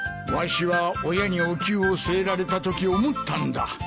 わしは親におきゅうを据えられたとき思ったんだ。